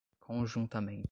conjuntamente